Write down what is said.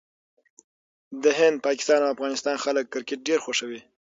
د هند، پاکستان او افغانستان خلک کرکټ ډېر خوښوي.